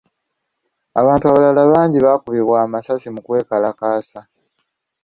Abantu abalala bangi baakubibwa amasasi mu kwekalakasa.